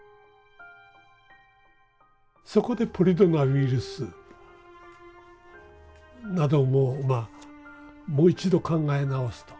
そこでポリドナウイルスなどもまあもう一度考え直すと。